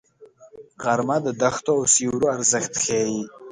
غرمه د دښتو او سیوریو ارزښت ښيي